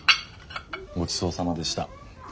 ごちそうさまでした。